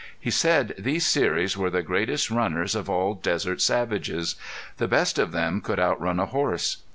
He said these Seris were the greatest runners of all desert savages. The best of them could outrun a horse.